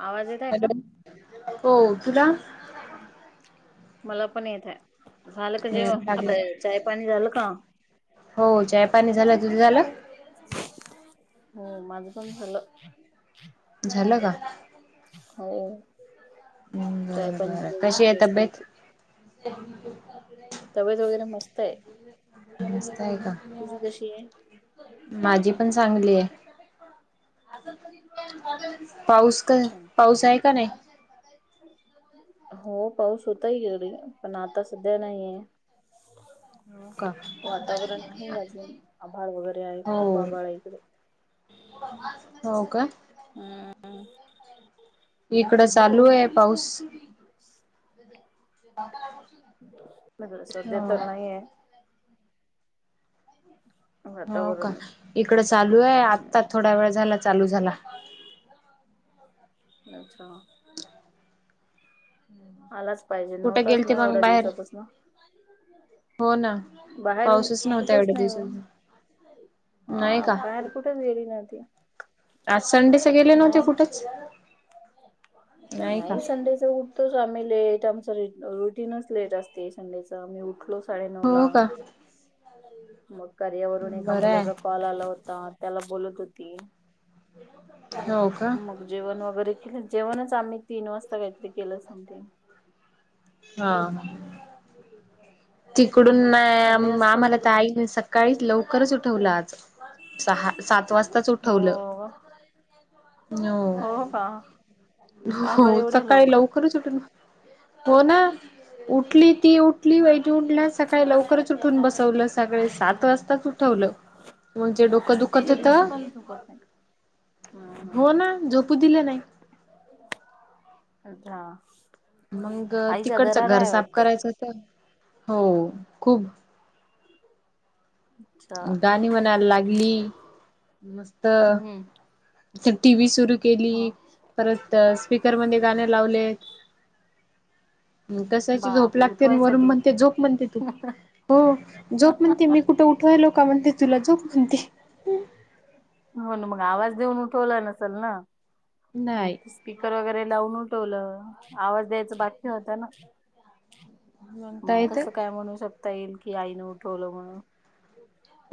आवाज येत आहे का? हॅलो! हो तुला? मला पण येतय. झालं का जेवण, लागलं आपलं चायपाणी झालं का? हो चाय पाणी झालं. तुझ झालं? हो माझं पण झालं. झालं का? हो, चाय बरं पाणी बरं कशी झालं आहे बसली तब्येत होती. [unintelligible] तब्येत वगैरे मस्त आहे. नमस्त आहे का तुझी कशी आहे? माझी पण चांगली आहे पाऊस का अच्छा. पाऊस आहे का नाही हो पाऊस होताय एळी पण आता सध्या नाहीये हो का वातावरण आहे अजून आभाळ वगैरे आहे खूप हो आभाळ आहे इकडे हो का हम्म इकडं चालूऐ पाऊस [unintelligible] सध्या हो तर नाहीये हो का वातावरण. इकडं चालू आय आत्ता थोडा हम्म वेळ झाला चालू झाला नाय च्छा आलाच पाहिजे कुठे गेल नव्हताच ते ना मग एवढ्या बाहेर दिवसापसनं हो ना बाहेर पाऊसच नव्हता कुठच एवढ्या नाही ओ दिवसात हा नाही का बाहेर कुठच गेली नव्हती आज संडेचं गेले नव्हते नाही कुठच नाही संडेचं उठतोच आम्ही लेट आमचं रू रुटीनच लेट असतय संडेचं तवा मी उठलो साडे नऊ ला हो का मग करियावरून एका बरं मुलाचा आहे कॉल आला होता त्याला बोलत होती हो का मग जेवण वगैरे केल जेवणच आम्ही तीन वाजता काहीतरी केलं समते हा तिकडून संडे असतो आम्हाला तर आई नाही सकत सकाळी लवकरच उठवलं आज सहा सात वाजता हो हो का का हो बरं एवढ्या सकाळी लवकर लवकरच उठून हो ना उठली ती उठली वैजु उठल्या सकाळी लवकरच उठून बसवलं सगळे सात वाजताच उठवलं म्हणजे डोकं दुखत सुट्टीच्या दिवशी होतं पण झोपत नाही का? हम्म हम्म. हो ना झोपू दिलं नाय अधास मंग तिकडचं घर साफ करायचं होतं हो खूप अच्छा गाणी म्हणायला लागली मस्त हम्म टी व्ही सुरू केली परत स्पीकर मधे गाणं लावले कशाची झोप बापरे लागतेन वरून उठवायसाठी म्हणते झोप म्हणते तू हो झोप म्हणते मी कुठं उठवायलो का म्हणते तुला झोप म्हणते हो ना मग आवाज देऊन उठवला नसल ना नाही मग स्पीकर वगैरे लावून उठवलं आवाज द्यायचं बाकी होतं ना मग कसं काय म्हणू शकता येईल की आईनं उठवलं म्हणून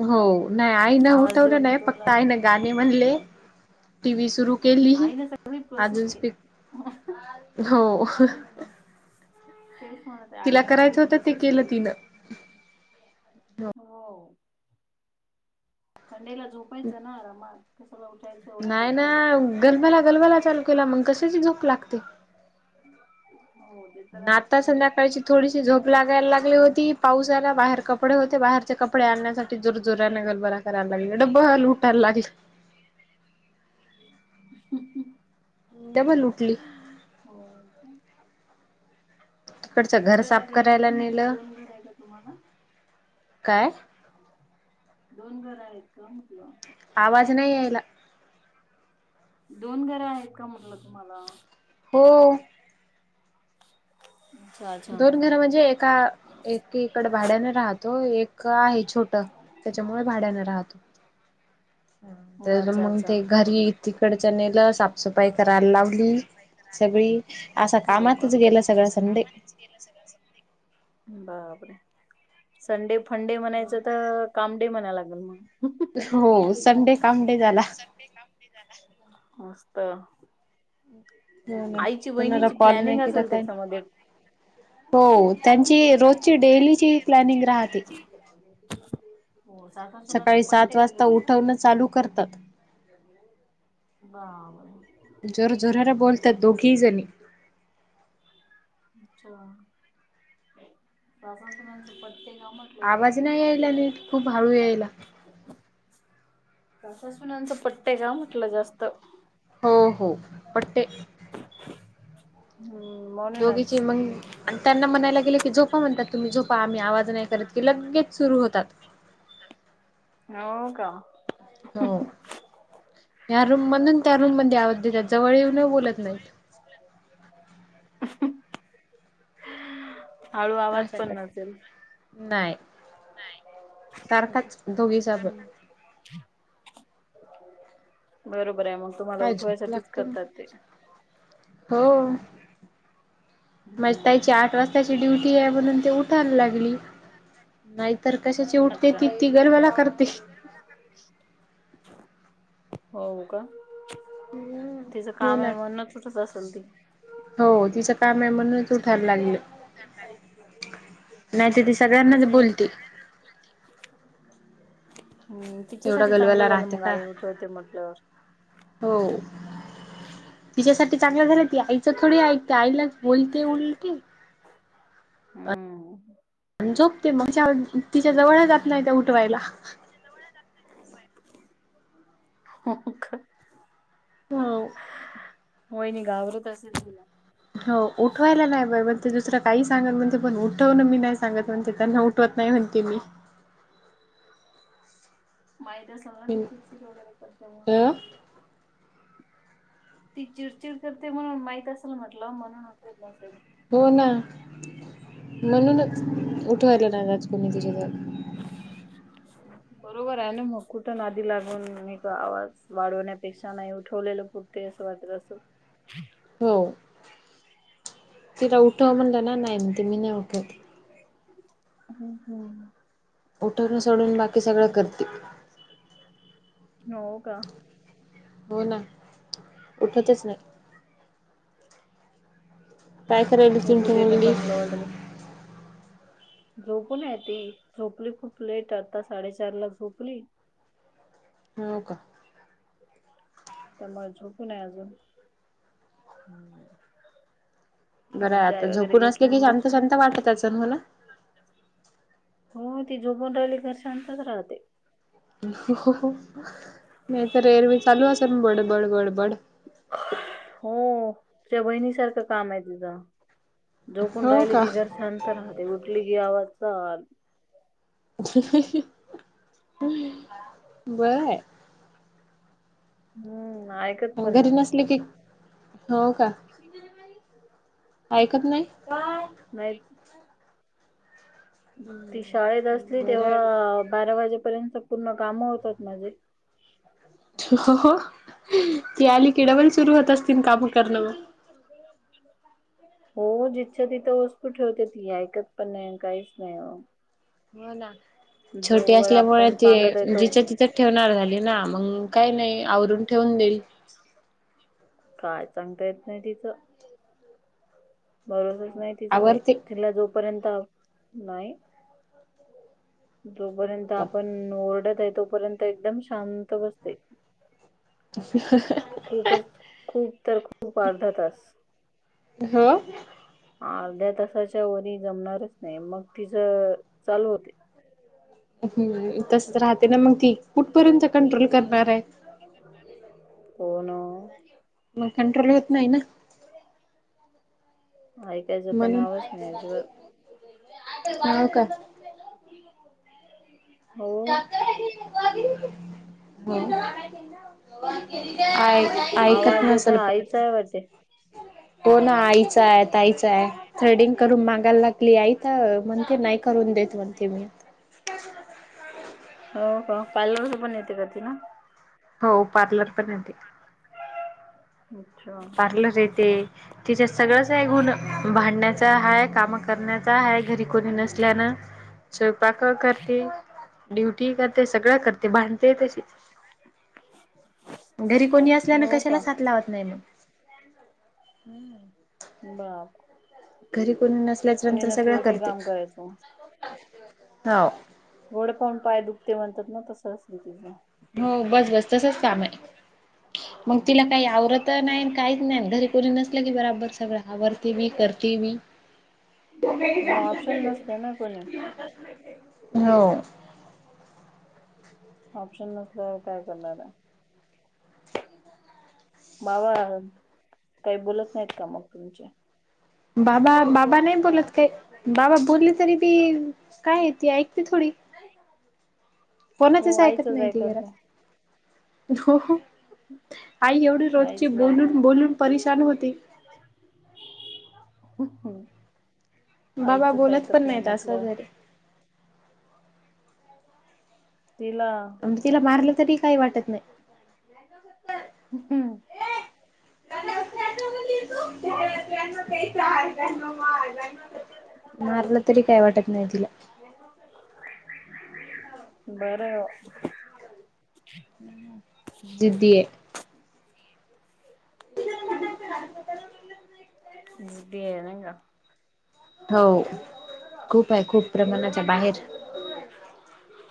हो नाय आईनं आवाज उठवलं देऊन नाय उठवला फक्त असत आईनं गाणे म्हणले टी व्ही सुरू केली आईने सगळी प्रोसेस अजून केली स्पीक हो हम तिला करायचं होतं ते केलं तिनं हो संडे ला झोपायचं ना आरामात कशाला उठायचं एवढ्या नाही ना लवकर गलबला गलबला चालू केला मग कशाची झोप लागते हो ते तर ना आहेच आता म्हणून संध्याकाळची थोडीशी झोप लागाय लागली होती पाऊस आला बाहेर कपडे होते बाहेरचे कपडे आणण्यासाठी जोरजोराने गलबला डबं लूटाय लागल [unintelligible] डबल उटली. हो, का. तिकडचं घर इकडल्या साफ घरी करायला गेलती म्हणजे नेलं. दोन घर आहे का तुम्हाला काय? दोन घरं आहेत का? म्हटलं. आवाज नाय यायला. दोन घरं आहेत का म्हटलं, तुम्हाला? हो. चाल दोन घरं म्हणजे, एका, एकीकडे भाड्याने राहतो. एक का आहे छोटं. त्याच्यामुळे भाड्यानं राहतो. तर अच्छा मग अच्छा ते घरी तिकडच्या नेलं. साफसफाई करायला लावली. सगळी. असा हो का कामातच गेला, सगळा संडे. [unintelligible] बापरे! संडे फंडे म्हणायचं, तर काम डे म्हणायला लागेल मग. हो, संडे काम डे झाला. [unintelligible] मस्त! हं. आईची कुणाला बहिणीची कॉल प्लॅनिंग नाही केला. असेल काय त्याच्यामध्ये हो हो. त्यांची रोजची, डेलीची प्लॅनिंग राहते. [inaudible] हो सासासुनाच सकाळी सात पट्टते का वाजता जास्त? उठवणं चालू करतात. बापरे! जोरजोराने बोलतात. दोघीही जणी. अच्छा. सासासूनाच पटतय का? म आवाज नाय यायला नीट. खूप हळू यायला. सासासुनांचं पटतंय का म्हटलं? जास्त. हो, हो. पटतय. हम्म. म दोघीची मही आणि त्यांना म्हणायला गेलं की, झोपा म्हणतात तुम्ही झोपा. आम्ही आवाज नाही करत. की, लगेच सुरू होतात. हो, का. हो. या रूममधून त्या रूममध्ये आवाज देत्यात. जवळ येऊन बोलत नाहीत. [unintelligible] आवाज असं पण करत्यात. नसेल नाही. सारखाच दोघीचा पण. बरोबर आहे मग. तुम्हाला काय झोप उठवायसाठीच लागते मग करतात ते. हो. माजी हम्म ताईची, आठ वाजताची ड्युटीय, म्हणून ती उठायला लागली. नाही तर कशाची उठते अच्छा. ती. ति गलबला करते. [unintelligible] हो, का. तिज हो कामय ना मनुनच, उठत असेल ती. हो. तिचं कामय म्हणूनच उठायला लागलं. [unintelligible] नाही त, ती सगळ्या तसं. सगळ्यात आधी बोलती. [unintelligible] हो. एवढा तिच्यासाठी चांगलं गलबला झालं राहते मग. का आई उठवते म्हटलंवर. हो. [unintelligible] तिच्यासाठी चांगलं झालं. ती आईच थोडी ऐकते. आईलाच बोलते उलटी. हम्. झोपते मग. च्या तिच्या जवळ जात नाही त्या, उठवायला. तिच्या जवळ जात नाही उठवायला. हो का. हो. होय नाही घाबरत असेल तिला. हो उठवायला नाही बाय म्हणते, दुसरं काही सांगत म्हणते पण उठवण मी नाही सांगत म्हणते त्यांना उ टवत नाही म्हणते मी माहित असल ना ती चिडचिड वगैरे करते म्हणून अ ती चिडचिड करते म्हणून माहित असेल, म्हटलं म्हणून उठवत नसेल. हो ना, म्हणूनच उठवायलं नाय जातं कोणी तिच्या जवळ [inaudible] [inaudible] बरोबर आहे ना, मग कुठं नांदी लागून मी आवाज वाढवण्यापेक्षा नाही उठवलेल ते असं वाटत असल. हो तिला उठव म्हणलं ना नाही म्हणते मी नाही उठवत. [inaudible] हम्म हम्म. उठरून सोडून बा [unintelligible] हो का? हो ना, उठतच नाही. काय करायली झोपू तुमची देणं मुलगी चांगलं वाटल. झोपूनय ती झोपली खूप लेट आता साडेचार ला झोपली. हो का? त्यामुळे झोपू नाही अजून ह. बरंय आम्ही आता चाय वगैरे झोपून असले घेतला की आणि शांत बसून शांत वाटत असल, हो ना? हो ती झोपून रहिली का शांतच राहते. हो नाही तर एरवी चालू असनं बडबड बडबड हो त्या बहिणी सारखं काम आहे तिचं. झोपून हो राहिली का की घर शांत राहते, उठली की आवाज चा बर आहे. हम्मय. घरी नसले की, होका? ऐकत नाही, [unintelligible] नाहीकि. ती शाळेत असली बर आहे तेव्ह, बारा वाजेपर्यंत पूर्ण काम होतात माझे. [inaudible] हो ती आली कि डबल सुरू होत असतील, काम करणं म? हो जिथंच्या तिथं वस्तू ठेवते, ती ऐकत पण नाही काहीच नाही. हो ना छोटी जोवर असल्यामुळे आपण ते सांगत आहे तो जिच तिथ ठेवणार झाली ना, मग काय नाही आवरून ठेवून देईल. काय सांगता येत नाही तिचं. भरोसाच नाही तिचां बाई, आवरते तिला जोपर्यंत नाही जोपर्यंत आपण ओरडत आहे, तोपर्यंत एकदम शांत बसते. ह [unintelligible] खूपच खूप तर खूप अर्धा तास हा. अर्ध्या तासाच्या वरी जमणारच नाही, मग तिचं चालू होते. हम् तसच राहते ना मग ती, कुठपर्यंत कंट्रोल करणार आहे. होना. मग कंट्रोल होत नाही ना. ऐकायचं तर म्हणून नावच नाही अजिबात हो का? हो. हो आहेत. ऐकत आवाज येत नसल आईचा परत, आहे वाटते हो ना आईच आहे ताईच आहे. थ्रेडिंग करून मागायला लागली आई तर म्हणते नाही करून देत म्हणते मी. [inaudible] हो हो पार्लरचे पण येते का तिला? हो पार्लर पण येते. अच्छा! पार्लर येते तिच्या सगळंच आहे गुण भांडण्याचा हा आहे काम करण्याचा आहे घरी कोणी नसल्यानं स्वयंपाक करते ड्युटी करते सगळं करते भांडते तशीच. घरी कोणी असल्यान हो का कशालाच हाथ लावत नाही मग. [inaudible] बाप घरी कोणी नसल्याच्या कुणी नंतर सगळं नसलं की करते काम करायचं हो. गोड पण पाय दुखते म्हणतात ना तसं असल तिचं. हो बस बस तसच काम आहे मग तिला काही आवरत नाही काहीच नाही घरी कोणी नसलं की बराबर सगळं आवरते बी करते बी. मग ऑप्शन नसते ना कोणी हो. ऑप्शन नसल्यावर काय करणार आहे. बाबा काही बोलत नाहीत का मग तुमचे? बाबा बाबा नाही बोलत काय. बाबा बोलले तरी बी काय ती ऐकते थोडी! हो कोणातच ऐकत आईचच नाही ती नाही घरात. हो आई एवढी रोजची आईचच बोलून ऐकत बोलून परेशान होती. [inaudible] बाबा आईचच बोलत पण ऐकत नाही नाहीत असं म्हटल्याव जरी तिला तिला मारलं तरी काही वाटत नाही. हम्म! [unintelligible] [unintelligible] मारल तरी काय वाटत नाही तीला. बरं! जिदीये. [unintelligible] जदी आहे नाय का? हो खूप आहे खूप प्रमाणाच्या बाहेर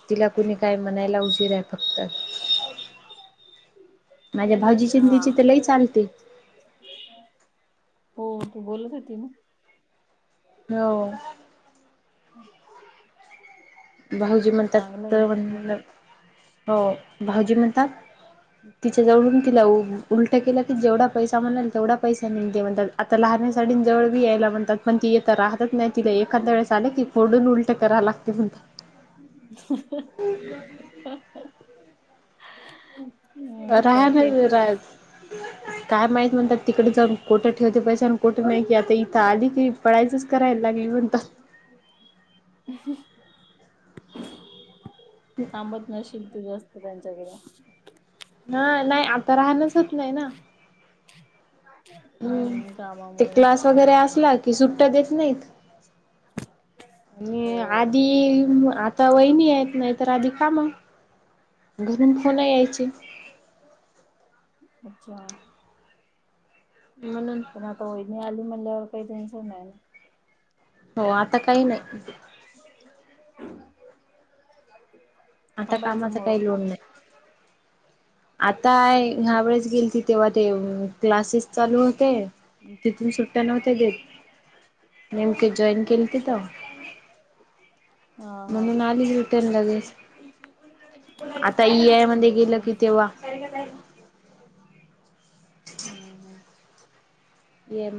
तिला कोणी काय म्हणायला उजीर आहे फक्त. माझ्या भावजीची आण अच्छा तिची तर लई चालते. हो तू बोलत होती ना. हो! [inaudible] भाऊजी म्हणतात चांगलंय तर म्हण हो भाऊजी म्हणतात तिच्या जवळून तिला उलट केलं की जेवढा पैसा म्हणाल तेवढा पैसेसा नाही ते म्हणता आता लहण्या साठी जवळ बी यायला म्हणतात पण ती येतता राहतच नाही तिला एखाद वेळेस आले की मोडून उलट कराव लागते म्हणत [unintelligible] हा का तेच राहायला रा काय माहित म्हणतात तिकडे जाऊन कोठं ठेवते पैश आणि कोठं नाही की आता इथं आली की पडायचंच रायला लागलीऊंत. ह. ह थांबत नशील तू जास्त त्यांच्याकडे. ह नाही आता राहणच होत नाही ना. हम्म ते कामामुळे क्लास वगैरे असला कि सुट्टा देत नाहीत. हो आधी आता वहिनी आहेत ना. तर अध कााम घरून फोन यायचे. अच्छा म्हणून पण आता वईणी आली म्हणल्यावर काही टन्शन नाही हो आता काही नाही ह आता कामाचा काही लोन नाही आता ह्यावेळेस गेली त तेव्हा ते क्लासेस चालू होते तिथून सुट्टा नव्हत्या देत नेमके जॉईन केले तिथ अच्छा हा हा म्हणज नाच रिटर्न लागेच आता ई आय मध्ये गेलं की तेव्हा का का नाही हम ये म.